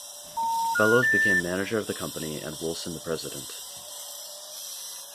Fellows became manager of the company and Woolson the president.